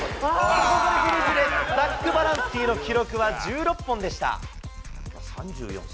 ザックバランスキーの記録は１６本でした。